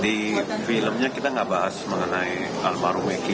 di filmnya kita nggak bahas mengenai almarhum meki